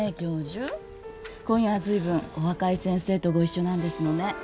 今夜はずいぶんお若い先生とご一緒なんですのね